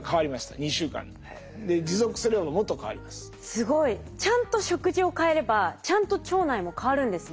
すごい！ちゃんと食事を変えればちゃんと腸内も変わるんですね。